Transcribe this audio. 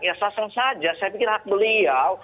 ya saseng saja saya pikir hak beliau